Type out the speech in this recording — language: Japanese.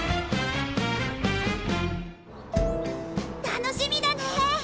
楽しみだね！